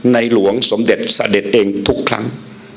หลวงสมเด็จเสด็จเองทุกครั้ง